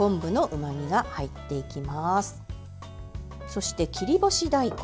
そして切り干し大根。